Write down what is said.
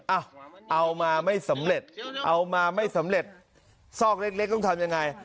เอามาไม่สำเร็จเอามาไม่สำเร็จซอกเล็กต้องทำยังไง